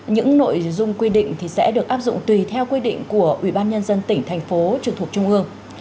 những nội dung quy định sẽ được áp dụng tùy theo quy định của ubnd tỉnh thành phố trường thuộc trung ương